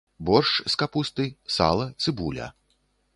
Боршч з капусты, сала, цыбуля.